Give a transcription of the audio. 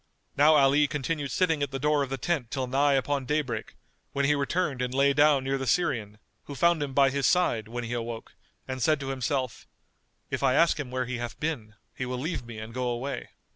Now Ali continued sitting at the door of the tent till nigh upon daybreak, when he returned and lay down near the Syrian, who found him by his side, when he awoke, and said to himself, "If I ask him where he hath been, he will leave me and go away."